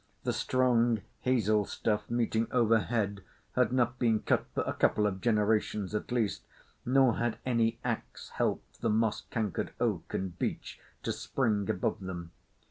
The strong hazel stuff meeting overhead had not been cut for a couple of generations at least, nor had any axe helped the moss cankered oak and beech to spring above them.